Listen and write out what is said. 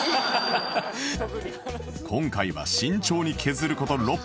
今回は慎重に削る事６分